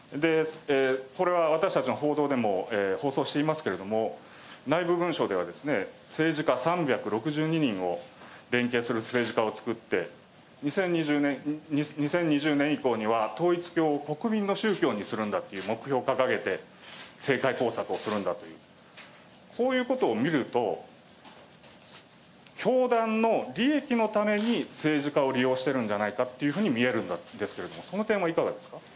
これは私たちの報道でも放送していますけれども、内部文書では、政治家３６２人を連携する政治家を作って、２０２０年以降には統一教を国民の宗教にするんだという目標を掲げて、政界工作をするんだという、そういうことを見ると、教団の利益のために、政治家を利用してるんじゃないかというふうに見えるんですけれども、その点はいかがですか。